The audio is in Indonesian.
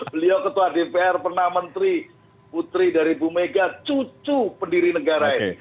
beliau ketua dpr pernah menteri putri dari bu mega cucu pendiri negara ini